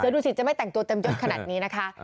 ดูสิจะไม่แต่งตัวเต็มยดขนาดนี้นะคะ